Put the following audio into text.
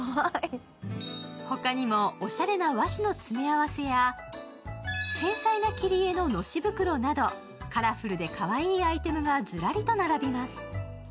ほかにもおしゃれな和紙の詰合せや繊細な切り絵ののし袋などカラフルでかわいいアイテムがずらりと並びます。